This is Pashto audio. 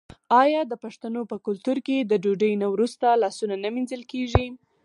آیا د پښتنو په کلتور کې د ډوډۍ نه وروسته لاسونه نه مینځل کیږي؟